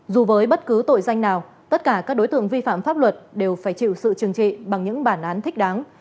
dù với bất cứ tội danh nào tất cả các đối tượng vi phạm pháp luật đều phải chịu sự trừng trị bằng những bản án thích đáng